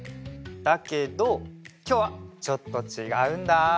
だけどきょうはちょっとちがうんだ。